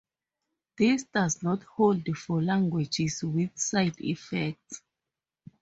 This does not hold for languages with side-effects.